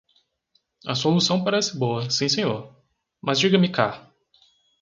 A solução parece boa, sim senhor. Mas diga-me cá